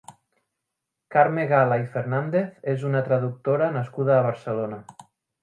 Carme Gala i Fernández és una traductora nascuda a Barcelona.